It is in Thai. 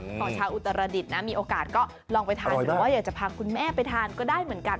ของชาวอุตรดิษฐ์นะมีโอกาสก็ลองไปทานหรือว่าอยากจะพาคุณแม่ไปทานก็ได้เหมือนกัน